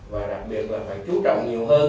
và đặc biệt là phải chú trọng nhiều hơn